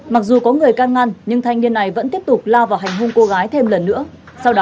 mặc dù có người căng ngăn nhưng thanh niên này vẫn tiếp tục la vào hành hung cô gái thêm lần nữa